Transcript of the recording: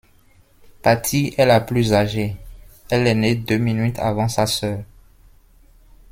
Patty est la plus âgée, elle est née deux minutes avant sa sœur.